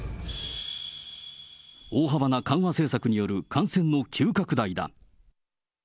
大幅な緩和政策による感染の急拡大だ。